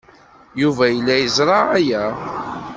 Yuba yella yeẓra aya.